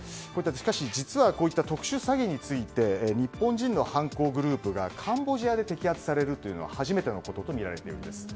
しかし実はこういった特殊詐欺について日本人の犯行グループがカンボジアで摘発されるのは初めてだとみられています。